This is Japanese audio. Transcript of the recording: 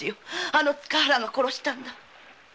あの塚原が殺したんだ‼